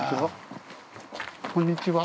こんにちは。